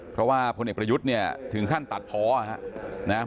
เพราะว่าพลเอกประยุทธ์เนี่ยถึงขั้นตัดเพาะครับ